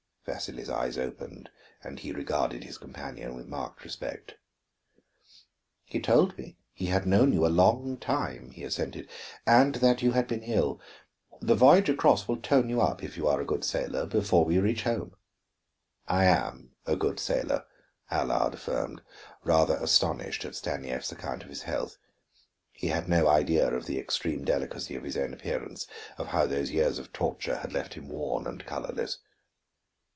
Vasili's eyes opened and he regarded his companion with marked respect. "He told me he had known you a long time," he assented, "and that you had been ill. The voyage across will tone you up if you are a good sailor before we reach home." "I am a good sailor," Allard affirmed, rather astonished at Stanief's account of his health. He had no idea of the extreme delicacy of his own appearance, of how those years of torture had left him worn and colorless.